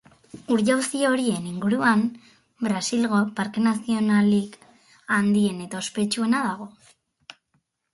Ur-jauzi horien inguruan Brasilgo parke nazionalik handien eta ospetsuena dago.